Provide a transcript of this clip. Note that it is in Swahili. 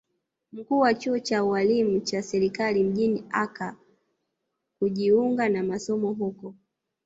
Mkuu wa chuo cha ualimu cha serikali mjini Accra kujiunga na masomo huko